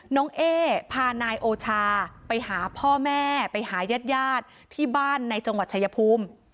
เอ๊พานายโอชาไปหาพ่อแม่ไปหายาดที่บ้านในจังหวัดชายภูมิ